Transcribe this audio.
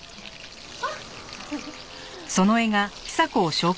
あっ！